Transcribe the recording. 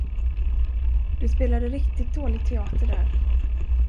Du spelade riktigt dålig teater där!